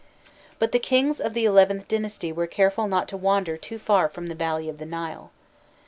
But the kings of the XIth dynasty were careful not to wander too far from the valley of the Nile.